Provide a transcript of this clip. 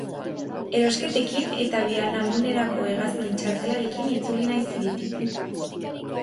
Erosketekin eta biharamunerako hegazkin txartelarekin itzuli naiz hiritik.